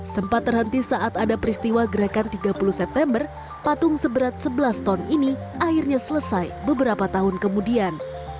sempat terhenti saat ada peristiwa gerakan tiga puluh september patung seberat sebelas ton ini akhirnya selesai beberapa tahun kemudian